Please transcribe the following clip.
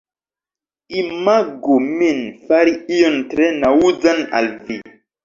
Imagu min fari ion tre naŭzan al vi